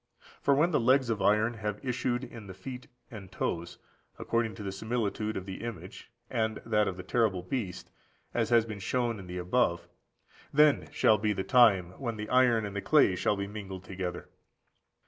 For 213when the legs of iron have issued in the feet and toes, according to the similitude of the image and that of the terrible beast, as has been shown in the above, (then shall be the time) when the iron and the clay shall be mingled together.